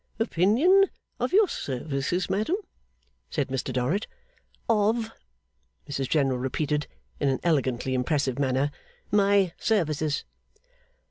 'Opinion of your services, madam?' said Mr Dorrit. 'Of,' Mrs General repeated, in an elegantly impressive manner, 'my services.